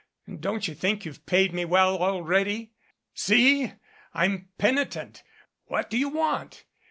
Don't you think you've paid me well already? See! I'm penitent. What do you want?